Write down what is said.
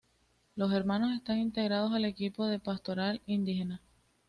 Los Hermanos están integrados al Equipo de Pastoral Indígena.